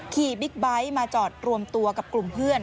บิ๊กไบท์มาจอดรวมตัวกับกลุ่มเพื่อน